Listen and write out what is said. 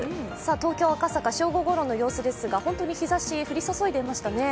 東京・赤坂正午ごろの様子ですが本当に日ざし降り注いでいましたね。